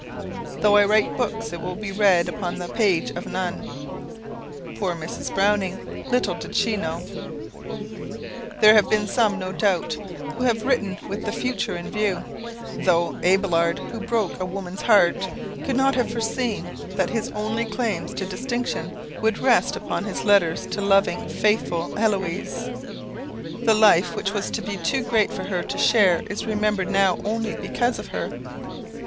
"Though I write books, it will be read Upon the page of none " Poor Mrs. Browning! Little did she know! [Sidenote: With the Future in View] There have been some, no doubt, who have written with the future in view, though Abelard, who broke a woman's heart, could not have foreseen that his only claims to distinction would rest upon his letters to loving, faithful Héloise. The life which was to be too great for her to share is remembered now only because of her.